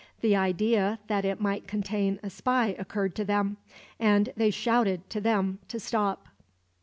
The idea that it might contain a spy occurred to them, and they shouted to them to stop.